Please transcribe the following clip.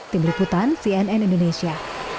tim liputan cnn indonesia